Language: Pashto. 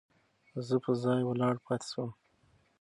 زه په ځای ولاړ پاتې شوم.